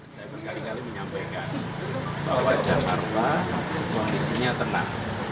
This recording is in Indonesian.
saya berkali kali menyampaikan bahwa jakarta kondisinya tenang